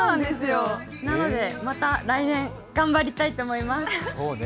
なので、また来年頑張りたいと思います。